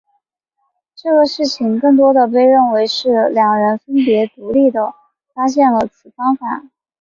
这个事情更多地被认为是两人分别独立地发现了此方法。